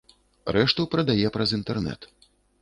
Рэшту прадае праз інтэрнэт.